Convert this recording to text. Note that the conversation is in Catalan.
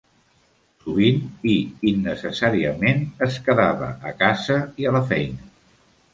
Sovint, i innecessàriament, es quedava a casa i a la feina.